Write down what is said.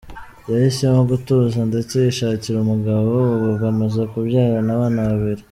Yahisemo gutuza ndetse yishakira umugabo, ubu bamaze kubyarana abana babiri.